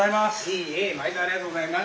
ありがとうございます。